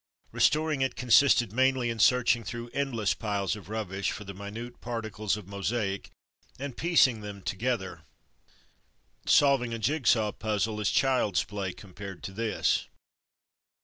Restoring it consisted mainly in searching through end less piles of rubbish for the minute particles 223 224 From Mud to Mufti of mosaic, and piecing them together. Solv ing a jig saw puzzle is child's play compared to this.